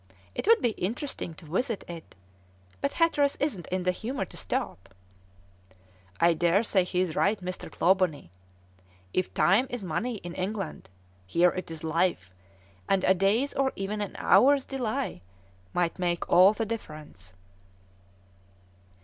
It would be interesting to visit it, but Hatteras isn't in the humour to stop!" "I daresay he is right, Mr. Clawbonny; if time is money in England, here it is life, and a day's or even an hour's delay might make all the difference."